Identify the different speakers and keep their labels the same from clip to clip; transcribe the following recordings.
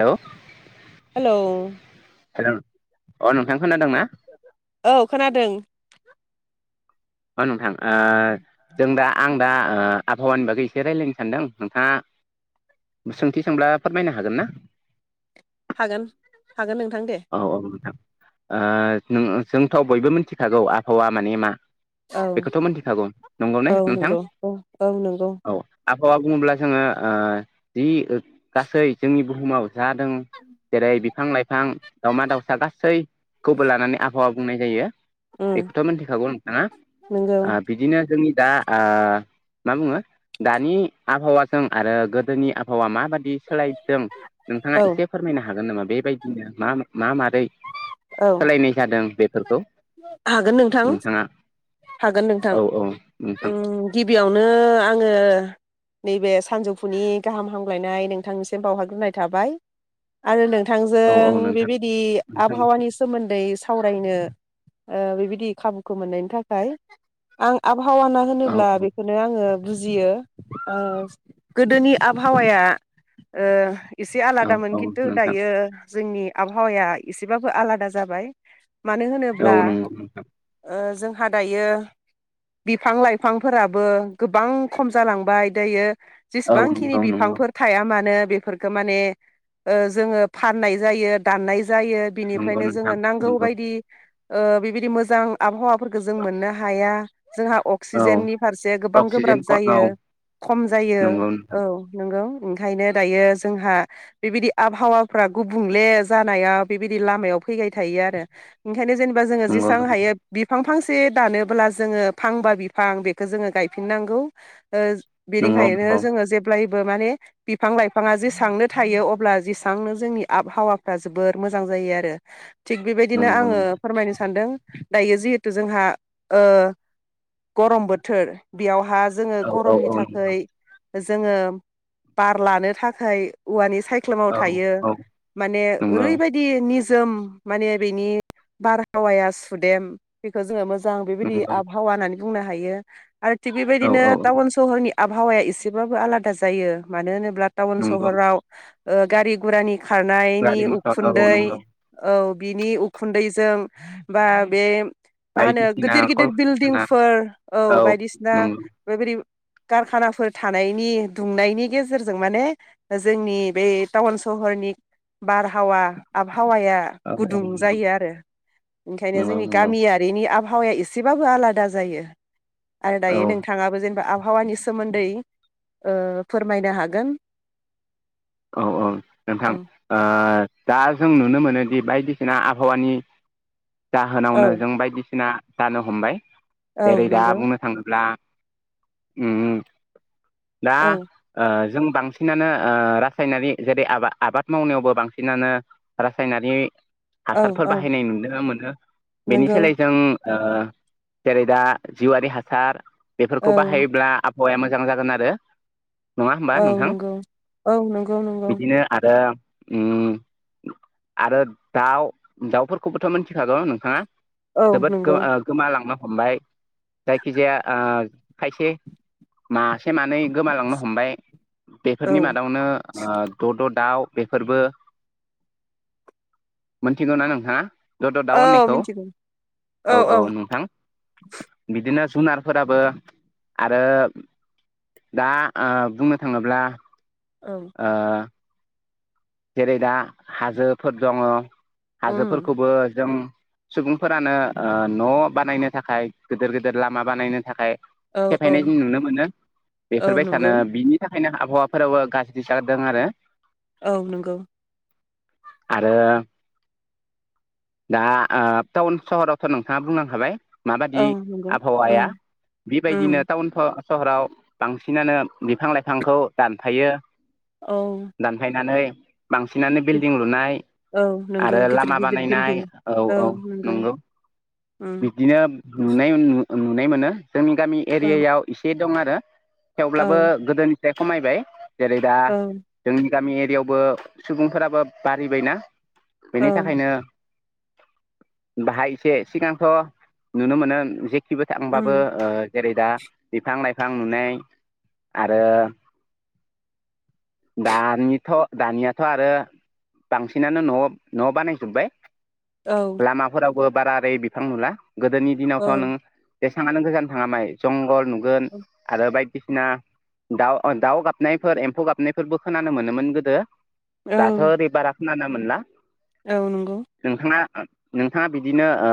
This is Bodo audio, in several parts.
Speaker 1: हेलौ
Speaker 2: हेलौ
Speaker 1: हेल' अ नोंथां खोनादों ना
Speaker 2: औ खोनादों
Speaker 1: नोंथां ओ जों दा आं दा आबहावानि बागै एसे रायज्लायनो सानदों नोंथाङा सोंथि सोंब्ला फोरमायनो हागोन ना?
Speaker 2: हागोन हागोन नोंथां दे।
Speaker 1: औ औ नोंथां ओ जोंथ' बयबो मिथिखागौ आबहावा माने मा
Speaker 2: औ
Speaker 1: बेखौथ' मोनथिखागौ नंगौ ने
Speaker 2: औ
Speaker 1: नोंथां
Speaker 2: नंगौ औ औ नंगौ
Speaker 1: औ आबहावा बुङोब्ला जोङो ओ जि गासै जोंनि बुहुमाव जादों जेरै बिफां लाइफां दावमा दाउसा गासैखौबो लानानै आबहावा बुंनाय जायो।
Speaker 2: उम
Speaker 1: एखौथा मिथिखागौ नोंथाङा
Speaker 2: नंगौ
Speaker 1: ओ बिदिनो जोंनि दा ओ मा बुङो दानि आबहावाजों आरो गोदोनि आबहावा मा माबादि सोलायदों नोंथाङा
Speaker 2: औ
Speaker 1: एसे फोरमायनो हागोन नामा बेबायदिनो मा मा मारै
Speaker 2: औ
Speaker 1: सोलायनाय जादों बे
Speaker 2: हागोन नोंथां हागोन नोंथां
Speaker 1: औ औ नोंथां
Speaker 2: गिबियावनो आङो नैबे सानजौफुनि गाहाम हामलायनाय नोंथांनिसिम बावहग्रोनाय थाबाय आरो नों बिथांजों
Speaker 1: औ औ नोंथां
Speaker 2: बेबायदि
Speaker 1: नोंथां
Speaker 2: आबहावानि सोमोन्दै सावरायनो ओ बेबायदि खाबुखौ मोननायनि थाखाय आं आब वाना
Speaker 1: औ
Speaker 2: होनोब्ला बेखौनो आङो बुजियो ओ गोदोनि आबहावाया ओ एसे
Speaker 1: औ
Speaker 2: आलादामोन
Speaker 1: औ
Speaker 2: खिन्थु
Speaker 1: नोंथां
Speaker 2: दायो जोंनि आबहावाया एसेबाबो आलादा जाबाय मानो
Speaker 1: औ
Speaker 2: होनोब्ला
Speaker 1: नंगौ नोंथां
Speaker 2: ओ जों जोंहा दायो बिफां लाइफांफोराबो गोबां खम जालांबाय दायो
Speaker 1: औ
Speaker 2: जेसेबांखिनि
Speaker 1: नंगौ नंगौ
Speaker 2: बिफांफोर थाया मानो बेफोरखौ माने ओ जोङो फाननाय जायो दाननाय ज जायो
Speaker 1: नंगौ
Speaker 2: बिनिफ्रायनो
Speaker 1: नोंथां
Speaker 2: जोङो नांगौ
Speaker 1: नंगौ
Speaker 2: बायदि ओ बेबायदि मोजां आबहावाफोरखौ जों मोननो हाया जोंहा
Speaker 1: औ
Speaker 2: अक्सिजेननि फारसे गोबां
Speaker 1: अक्सिजेन
Speaker 2: गोब्राब
Speaker 1: ख औ
Speaker 2: जायो खम जायो
Speaker 1: नंगौ नोंथां
Speaker 2: औ नोंगौ ओंखायनो दायो जोंहा बेबायदि आबहावाफ्रा गुबुंले जानायाव बेबायदि लामायाव फैबाय थायो आरो ओंखायनो जेनेबा जोङो
Speaker 1: नंगौ
Speaker 2: जसेबां
Speaker 1: नंगौ
Speaker 2: हायो बिफां फांसे से दानोब्ला जोङो फांबा बिफां बेखौ जोङो गायफिननांगौ ओ
Speaker 1: नंगौ
Speaker 2: बेनिखायनो
Speaker 1: नंगौ
Speaker 2: जोङो जेब्लाय माने बिफां लाइफाङा जेसांनो थायो अब्ला जेसेबांनो जोंनि आबहावाफ्रा जोबोर मोजां जायो जायो आरो थिग बेबायदिनो
Speaker 1: नंगौ
Speaker 2: आङो
Speaker 1: नंगौ
Speaker 2: फोरमायनो सानदों दायो जिहेथु जोंहा ओ गरम बोथोर बेयाव जोंओ
Speaker 1: औ औ
Speaker 2: गरमनि
Speaker 1: औ नंगौ
Speaker 2: थाखाय जोङो बार लानो थाखाय औवानि सायख्लुमाव
Speaker 1: औ
Speaker 2: थायो
Speaker 1: औ
Speaker 2: माने
Speaker 1: नंगौ
Speaker 2: ओरैबायदि निजोम माने बेनि बारहावाया सुदेम बेखौ मोजां बेबायदि
Speaker 1: नंगौ
Speaker 2: आबहावा होननानै बुंनो हायो आरो थिग
Speaker 1: औ
Speaker 2: बेबायदिनो
Speaker 1: औ
Speaker 2: टाउन सहरनि आबहावाया एसेबाबबो आलादा जायो मानो होनोब्ला अब्ला थावओन
Speaker 1: नंगौ
Speaker 2: सहराव ओं गारि -गुरानि खारनायनि
Speaker 1: गारि मथर औ
Speaker 2: उखुन्दै
Speaker 1: नंगौ
Speaker 2: औ बिनि उखुन्दै जों बा बे मा होनो
Speaker 1: बायदिसिना
Speaker 2: गिदिर गिदिर
Speaker 1: कलकारखाना
Speaker 2: बिल्डिंफोर औ बायदिसिना
Speaker 1: नंगौ
Speaker 2: बेबायदि कारखानाफोर थानायनि दुंनायनि गेजेरजों माने जोंनि बे टाउन सहर फोरनि बारहावा आबहावा आबहावाया
Speaker 1: औ औ
Speaker 2: गुदुं
Speaker 1: नंगौ
Speaker 2: जायो आरो ओंखायनो
Speaker 1: नंगौ
Speaker 2: जोंनि
Speaker 1: नंगौ
Speaker 2: गामियारिनि आबहाव एसेबो आलादा जायो आरो
Speaker 1: औ
Speaker 2: दायो नोंथाङाबो जेबा आबहावा आबहावानि सोमोन्दै फोरमायनो हागोन।
Speaker 1: औ औ नोंथां
Speaker 2: औ
Speaker 1: ओ दा जों नुनो मोनोदि बायदिसिना आबहावानि
Speaker 2: औ
Speaker 1: जाहोनावनो जों बायदिसिना जानो हमबाय जेरै
Speaker 2: औ
Speaker 1: दा
Speaker 2: नंगौ
Speaker 1: बुंनो थाङोब्ला। ओम- ओम दा
Speaker 2: औ
Speaker 1: ओ जों बांसिनानो ओ। रासायनारि जेरै आब आबाद मावनायावबो बांसिनानो रासायनारि।
Speaker 2: औ
Speaker 1: हासारफोर
Speaker 2: औ
Speaker 1: बाहायनाय नुनो मोनो, बेनि
Speaker 2: नंगौ
Speaker 1: सोलाय जों ओ जेरै दा जिउआारि हासार
Speaker 2: औ
Speaker 1: बेफोरखौ बाहायोब्ला आबुं हौवाया मोजां जागोन आरो। नङा होमबा
Speaker 2: औ
Speaker 1: नोंथां
Speaker 2: नंगौ औ नंगौ। नंगौ
Speaker 1: बिदिनो आरो ओम आरो दाउ दाउफोरखौबोथ' मिथिखागौ नोंथाङा।
Speaker 2: औ
Speaker 1: जोबोद गो
Speaker 2: नंगौ
Speaker 1: गोमलाां नो हमबाय जायखिजाया ओ खायसे मास थेनानै गोमालांनो हमबाय
Speaker 2: औ
Speaker 1: बेफोरनि मादावनो ओ द, द दाउ बेफोरबो मोनथिगौ ना नोंथांआ? दद'
Speaker 2: औ
Speaker 1: दाउननैखौ
Speaker 2: मिथिगौ
Speaker 1: औ औ नोंथां बिदिनो? जुनारफोराबो आरो दाओ बुंनो ओ‌ थाङोब्ला
Speaker 2: औ
Speaker 1: ओ जेरै दा हाजोफोर दङ
Speaker 2: उम
Speaker 1: हाजोफोरखौबो जों सुबुंफोरानो न' बानायनो थाखाय गिदिर गिदिर लामा बानायनो थाखाय।
Speaker 2: औ औ
Speaker 1: सेफायनाय जों नुनो मोनो
Speaker 2: औ
Speaker 1: बेफोरबाय
Speaker 2: नंगौ
Speaker 1: सानो बिनि थाखाय बेओंखायनो आबहावाफोराबो गाज्रि जादों आरो।
Speaker 2: औ नंगौ।
Speaker 1: आरो दा टाउन सहरावथ' नोंथाङा बुंनांखाबाय।
Speaker 2: औ
Speaker 1: माबादि
Speaker 2: नंगौ
Speaker 1: आबहावाया
Speaker 2: उम
Speaker 1: बेबायदिनो
Speaker 2: उम
Speaker 1: टाउनखो सहराव बांसिनानो बिफां -लाइफांखौ दानफायो।
Speaker 2: औ
Speaker 1: दानफायनानै बांसिनानो बिल्डिं लुनाय।
Speaker 2: औ
Speaker 1: आरो
Speaker 2: नंगौ गिदिर
Speaker 1: लामा
Speaker 2: गिदिर
Speaker 1: बानायनाय
Speaker 2: बिल्डिं
Speaker 1: औ औ नंगौ
Speaker 2: उम
Speaker 1: बिदिनो। नुनाय नुनाय मोनो जोंनि गामि
Speaker 2: औ
Speaker 1: एरियायाव एसे दं आरो।
Speaker 2: औ
Speaker 1: थेवब्लाबो गोदोनिफ्राय खमायबाय जेरै दा
Speaker 2: औ
Speaker 1: जोंनि गामि एरियायावबो। सुबुंफोराबो बारिबायना
Speaker 2: औ
Speaker 1: बेनि थाखायनो। बाहाय एसे सिगांथ' नुनो मोनो जेखिबो थांबाबो
Speaker 2: उम
Speaker 1: ओ जेरै दा बिफां- लाइफां नुनाय आरो। दानिथ' दानिया थ' आरो बांसिनानो न' न' बानायजोबबाय
Speaker 2: औ
Speaker 1: लामाफोराव। बाराारै बिफां नुला गोदोनि दिनावथ'
Speaker 2: औ
Speaker 1: नों जेसेबांानो गोजान थाङ माय जंगल नुगोन
Speaker 2: औ
Speaker 1: आरो बायदि बायदिसिना दाउ ओ दाउ गाबनायफोर एम्फौ गाबनायफोरबो खोनानो मोनोमोन गोदो। दाथ'
Speaker 2: औ
Speaker 1: ओरैबाराखोनानो मोनला।
Speaker 2: औ नंगौ।
Speaker 1: ओ नोंथाङा बिदिनो ओ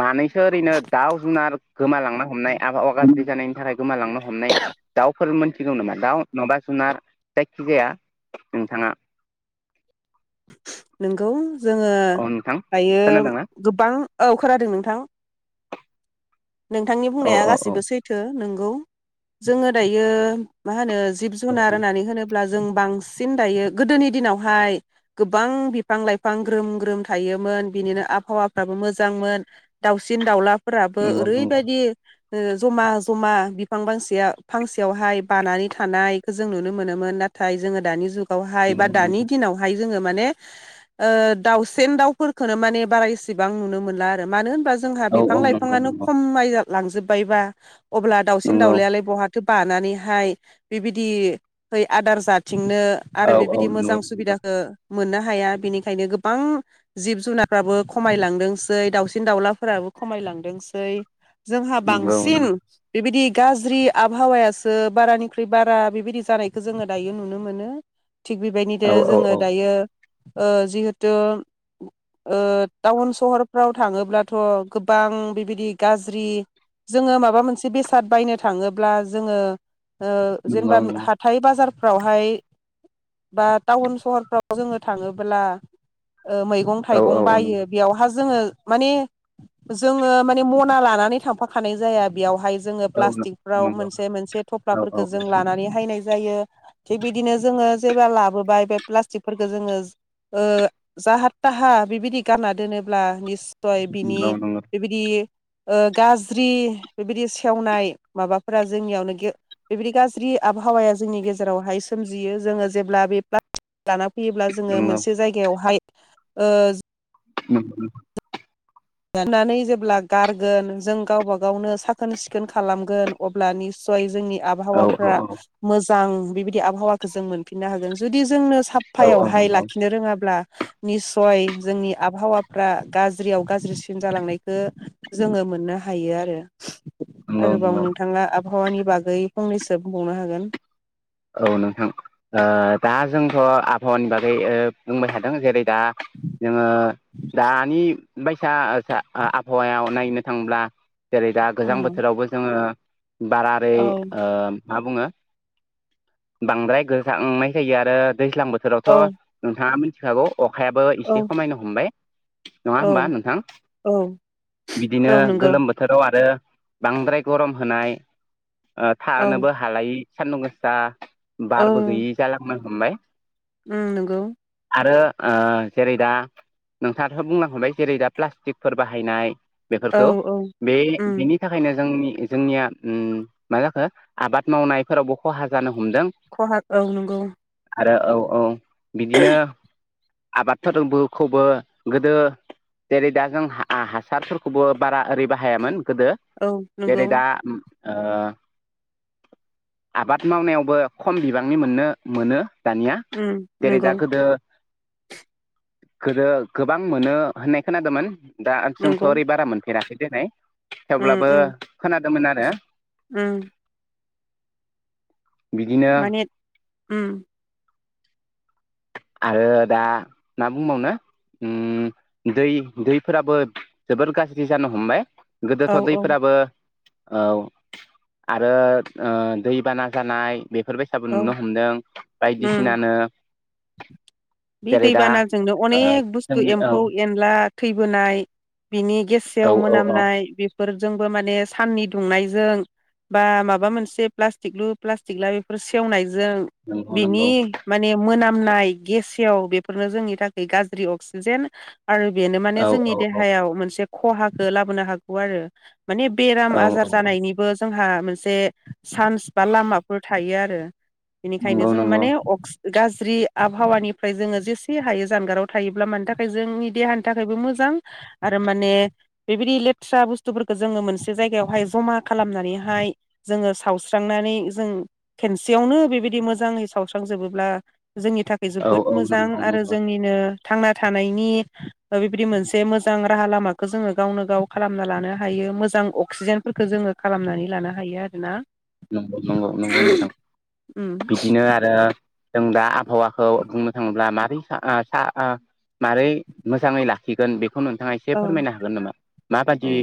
Speaker 1: मानै सो ओरैनो दाउ जुनार गोमालांनो हमनाय आबहावा गाज्रि जानायनि थाखाय गोमालांनो हमनाय। दाउफोर मोन सिगौ नामा दाउ नङाबा जुनार जायखिजाया नोंथाङा।
Speaker 2: नोंगौ। जोङो
Speaker 1: औ नोंथां
Speaker 2: दायो
Speaker 1: खोनादोंना
Speaker 2: गोबां औ खोनादों नोंथां। नोंथांनि
Speaker 1: औ
Speaker 2: बुंनाया
Speaker 1: औ औ
Speaker 2: गासिबो सैथो, नोंगौ जोङो दायो मा होनो जिब जुनार
Speaker 1: औ
Speaker 2: होननानै होनोब्ला। जों बांसिन दायो गोदोनि दिनावहाय गोबां बिफां लाइफां ग्रोम ग्रोम थायोमोन। मोन बिनिनो आबहावाफ्राबो मोजांमोन दाउसिन दाउलाफोराबो
Speaker 1: नंगौ नंगौ
Speaker 2: ओरैबायदि ओ ज'मा ज'मा बिफां फांसेया फांसेयावहाय बानानै थानायखो जों नुनो मोनोमोन। नाथ थाय जोङो दानि जुगावहाय बा
Speaker 1: नंगौ
Speaker 2: दानि
Speaker 1: नंगौ
Speaker 2: दिनावहाय जोङो माने ओ दाउसेन दाउफोरखोनो माने बारा इसेबां नुनो मोनला आरो। मानो होनबा जोंहा
Speaker 1: औ
Speaker 2: बिफां
Speaker 1: औ नंगौ
Speaker 2: लाइफांनो
Speaker 1: नंगौ
Speaker 2: खमाय लांजोब्बायबा अब्ला दाउसिन
Speaker 1: नंगौ
Speaker 2: दाउलायालाय बहा थो बानानैहाय बेबायदि आदार जाथि थिंनो आरो
Speaker 1: औ औ
Speaker 2: बेबायदि मोजां
Speaker 1: नंगौ
Speaker 2: सुबिदाखो मोननो हाया बेनिखायनो गोबां जिब जुनारफ्राबो खमायलांदोंसै दाउसिन दाउलाफोराबो खमायलांदोंसै जोंहा
Speaker 1: नंगौ नंगौ
Speaker 2: बांसिन बेबादि गाज्रि आबहावायासो बारानिख्रुइ बारा बेबायदि जानायखौ जोङो दायो नुनो मोनो। थिग बेबायदिनो
Speaker 1: औ
Speaker 2: जोङो
Speaker 1: औ औ
Speaker 2: दायो ओ जिहेथु ओ टाउन सहरफ्राव थाङोब्लाथ' गोबां बिबाय दि गाज्रि जोङो माबा मोनसे बेसाद बायनो थाङोब्ला जोङो ओ
Speaker 1: नंगौ
Speaker 2: जेनेबा
Speaker 1: नंगौ
Speaker 2: हाथाय बाजार फ्रावहाय बा टाउन सहरफ्राव जोङो थाङोबोला ओ मैगं
Speaker 1: औ
Speaker 2: थाइगं
Speaker 1: औ औ
Speaker 2: बायो बेयावहा जोङो माने जोङो ने मना लानानै थांफाखानाय जाया बेयावहाय जोङो
Speaker 1: नंगौ
Speaker 2: प्लास्टिकफ्राव
Speaker 1: औ नंगौ
Speaker 2: मोनसे मोनसे
Speaker 1: औ
Speaker 2: थ'फ्लाफोरखौ
Speaker 1: औ
Speaker 2: जों लानानै हायनाय जायो थिग बिदिनो जोङो जेब्ला लाबोबाय बे प्लास्टिकफोरखो जोङो ओ जाहा थाहा बिबायदि गाना दोनोब्ला निस सय
Speaker 1: औ
Speaker 2: बिनि
Speaker 1: नंगौ
Speaker 2: बेबायदि ओ गाज्रि बेबायदि सेवनाय माबाफोरा जोंनियावनो गेव बेबायदि गाज्रि आबहावाया जोंनि गेजेरावहाय सोमजियो जोङो जेब्ला बे बा लाना फैयोब्ला जोङो
Speaker 1: नंगौ
Speaker 2: मोनसे जायगायावहाय ओ
Speaker 1: [unintelligible]
Speaker 2: दनानै जेब्ला गारगोन जों गावब गावनो साखोन सिखोन खालामगोन अब्लानि सय जोंनि
Speaker 1: औ
Speaker 2: आबहावाफ्रा
Speaker 1: औ
Speaker 2: मोजां बेबायदि आबहावाखौ जों मोनफिननो हागोन। जुदि जोंनो
Speaker 1: औ औ
Speaker 2: साफ्फायावहाय
Speaker 1: नंगौ
Speaker 2: लाखिनो रोङाब्ला निसय जोंनि आबहावाफ्रा गाज्रियाव गाज्रिसिन सिन जालांनायखो जोङो मोननो हायो आरो।
Speaker 1: नंगौ
Speaker 2: आरोबाव
Speaker 1: नंगौ
Speaker 2: नोंथाङा आब हावानि बागै फंनैसो बुंबावनो हागोन।
Speaker 1: औ नोंथां ओ दा जोंथ' आबहावानि बागै ओ बुंबाय थादों जेरै दा जोङो दानि बायसा आसा ओ आबहावायाव नायनो थाङोब्ला जेरै दा गोजां
Speaker 2: उम
Speaker 1: बोथोरावबो जोङो बारारै
Speaker 2: औ
Speaker 1: ओ मा बुङो बांद्राय गोजांनाय जायो आरो दैज्लां बोथोरावथ'
Speaker 2: औ
Speaker 1: नोंथाङा मिथिखागौ अखायाबो एसे
Speaker 2: औ
Speaker 1: खमायनो हमबाय। नङा होमबा
Speaker 2: औ
Speaker 1: नोंथां?
Speaker 2: औ
Speaker 1: बिदिनो
Speaker 2: औ नंगौ
Speaker 1: गोलोम बोथोराव आरो बांद्राय गरम होनाय ओ
Speaker 2: औ
Speaker 1: थानोबो हालायि सान्दुं गोसा
Speaker 2: औ
Speaker 1: बारबो गैयि जालांनो हमबाय।
Speaker 2: उम नंगौ।
Speaker 1: आरो ओ जेरै दा नोंथाङाथ' बुंलां खाबाय जेरै दा प्लास्टिकफोर बाहायनाय
Speaker 2: औ
Speaker 1: बेफोरखो
Speaker 2: औ
Speaker 1: बे
Speaker 2: उम
Speaker 1: बेनि थाखायनो जोंनि जोंनिया ओम मा जाखो आबाद मावनायफोरावबो खहा जानो ह
Speaker 2: खहा औ नंगौ।
Speaker 1: आरो औ औ बिदिनो आबादफोरखौबो गोदो जेरै दा जों हासारफोरखौबो बारा ओरै बाहायामोन। गोदो
Speaker 2: औ नंगौ
Speaker 1: जेरै दा ओ आबाद मावनायावबो खम बिबांनि मोननो मोनो। दानिया
Speaker 2: उम
Speaker 1: जेरै
Speaker 2: नंगौ
Speaker 1: दा गोदो गोदो गोबां मोनो होननाय खोनादोमोन दा जोंथ'
Speaker 2: नंगौ
Speaker 1: ओरै बारा मोनफेराखै देनाय।
Speaker 2: उम
Speaker 1: थेवब्लाबो
Speaker 2: उम
Speaker 1: खोनादोंमोन आरो।
Speaker 2: [unintelligible]
Speaker 1: बिदिनो
Speaker 2: माने ओम
Speaker 1: आरो दा ना बुंबावनो ओम दै- दैफोराबो जोबोर गाज्रि जानो हमबाय। गोदोथ'
Speaker 2: औ औ
Speaker 1: दैफोराबो औ आरो दैबाना जानाय बेफोरबायसाबो
Speaker 2: औ
Speaker 1: नुनो हमदों
Speaker 2: उम
Speaker 1: बायदिसिनानो
Speaker 2: बे
Speaker 1: जेरै दा
Speaker 2: दैबानाजोंनो
Speaker 1: ओ
Speaker 2: अनेक बुस्थु
Speaker 1: जोंनि औ
Speaker 2: एम्फौ- एनला [unintelligible] थैबोनाय बिनि गेसेयाव
Speaker 1: औ औ औ
Speaker 2: मोनामनाय बे फोरजोंबो माने साननि दुंनायजों बा माबा मोनसे प्लास्टिकलु- प्लास्टिक ला बे [unintelligible] सेवनायजों
Speaker 1: नंगौ
Speaker 2: बिनि
Speaker 1: नंगौ
Speaker 2: माने [unintelligible] खामनाय गेसेव बेफोरनो जोंनि थाखाय गाज्रि अक्सिजेन आरो बेनो माने
Speaker 1: औ
Speaker 2: जोंनि
Speaker 1: औ औ
Speaker 2: देहायाव मोनसे खहाखौ लाबोनो हागौ आरो। माने बेराम आजार
Speaker 1: औ
Speaker 2: जानायनिबो जोंहा मोनसे चान्स बा लामाफोर थायो आरो बेनिखायनो
Speaker 1: नंगौ
Speaker 2: जोङो
Speaker 1: नंगौ
Speaker 2: माने [unintelligible] गाज्रि आबहावानिफ्राय जोङो जेसे हायो जानगाराव थायोब्ला मानि थाखाय जोंनि देहानि थाखायबो मोजां। आरो माने बेबायदि लेथ्रा बुस्थुफोरखौ जोङो मोनसे जायगहाय जमा खालामनानै [unintelligible] जोङो सावस्रांनानै जों खेनसेयावनो बेबायदि मोजाङै सावस्रांजोबोब्ला जोंनि थाखाय
Speaker 1: औ
Speaker 2: जोबोद
Speaker 1: औ
Speaker 2: मोजां
Speaker 1: नंगौ
Speaker 2: आरो
Speaker 1: नंगौ
Speaker 2: जोंनिनो थांना थानायनि बेबायदि मोनसे मोजां राहा -लामाखौ जोङो गावनो -गाव खालामना लानो हायो। मोजां अक्सिजेनफोरखौ जोङो खालामनानै लानो हायो आरोना।
Speaker 1: नंगौ नंगौ नंगौ नोंथां
Speaker 2: उम
Speaker 1: बिदिनो आरो जों दा आबहावाखौ बुंनो थाङोब्ला माबारै [unintelligible] मारै मोजाङै लाखिगोन बेखौ नोंथाङा एसे
Speaker 2: औ
Speaker 1: फोरमायनो हागोन नामा
Speaker 2: औ
Speaker 1: माबादि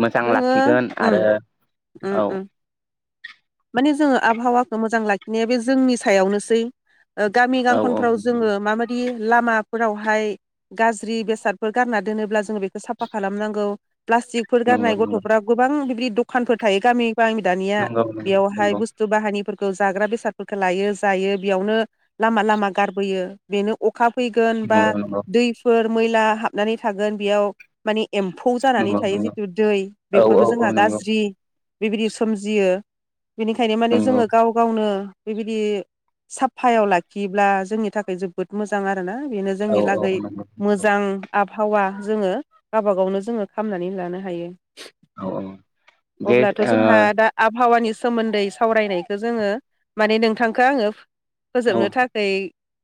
Speaker 1: मोजां
Speaker 2: जोङो
Speaker 1: लाखिगोन
Speaker 2: ओम
Speaker 1: आरो
Speaker 2: ओम
Speaker 1: औ
Speaker 2: ओम माने जोङो आबहावाखौ मोजां लाखिनाया बे जोंनि सायावनोसै गामि
Speaker 1: औ औ
Speaker 2: गांखनफ्राव जोङो माबायदि लामाफोरावहाय गाज्रि बेसादफोर गारना दोनोब्ला जोङो बेखौ साफा खालामनांगौ प्लास्टिक [unintelligible]
Speaker 1: नंगौ
Speaker 2: गारनाय
Speaker 1: नंगौ
Speaker 2: गथ'फ्रा गोबां बिबदि दखानफोर थायो गामि गोबां बि दानिया
Speaker 1: नंगौ
Speaker 2: बेयावहाय
Speaker 1: नंगौ
Speaker 2: बुस्थु बाहायानिफोरखौ जाग्रा बेसादफोरखौ लायो जायो बेयावनो लामा- लामा गारबोयो बेनो [unintelligible] अखा फैगोन बा
Speaker 1: नंगौ नंगौ
Speaker 2: दैफोर मैला हाबनानै थागोन बेयाव माने एम्फौ जानानै
Speaker 1: नंगौ
Speaker 2: थायो
Speaker 1: नंगौ
Speaker 2: जिथु दै
Speaker 1: औ औ
Speaker 2: बेफोरबो
Speaker 1: औ
Speaker 2: जोंहा
Speaker 1: नंगौ
Speaker 2: गाज्रि बेबायदि सोमजियो। बेनिखायनो माने
Speaker 1: नंगौ
Speaker 2: जोङो गाव -गावनो बेबायदि साफायाव लाखियोब्ला जोंनि थाखाय जोबोद मोजां आरो। [unintelligible] बेनो
Speaker 1: औ
Speaker 2: जोंनि
Speaker 1: औ
Speaker 2: लागै
Speaker 1: नंगौ
Speaker 2: मोजां आबहावा जोङो गावबा -गावनो जोङो खामनानै लानो हायो।
Speaker 1: औ औ दे
Speaker 2: अब्लाथ' जोंहा दा आबहावानि सोमोन्दै सावरायनायखौ जोङो माने नोंथांखौ आङो
Speaker 1: ओ
Speaker 2: फोजोबनो थाखै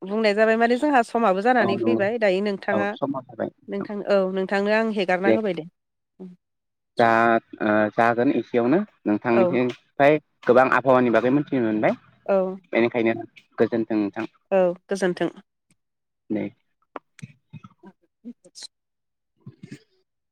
Speaker 2: बुंनाय जाबाय माने जोंहा समाबो
Speaker 1: औ
Speaker 2: जानानै
Speaker 1: नंगौ
Speaker 2: फैबाय दायो
Speaker 1: औ
Speaker 2: नोंथाङा
Speaker 1: समा जाबाय
Speaker 2: नोंथां औ नोंथांनो आं हेगारना होबाय दे। उम।
Speaker 1: दा जागोन एसेयावनो
Speaker 2: औ
Speaker 1: नोंथांनिफ्राय गोबां आबहावानि बागै मोनथिनो मोनबाय
Speaker 2: औ
Speaker 1: बेनिखायनो गोजोन
Speaker 2: औ गोजोन्थों।
Speaker 1: नै
Speaker 2: [unintelligible]
Speaker 1: [unintelligible]